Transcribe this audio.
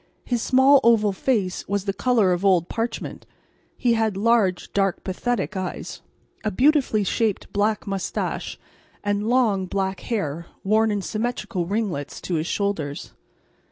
His small oval face was the colour of old parchment; he had large dark pathetic eyes, a beautifully shaped black moustache, and long black hair, worn in symmetrical ringlets to his shoulders.